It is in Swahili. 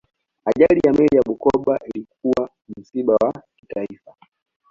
ajali ya meli ya bukoba ilikuwa msiba wa kitaifa